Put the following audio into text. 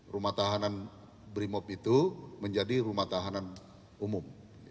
rumah tahanan brimop itu menjadi rumah tahanan umum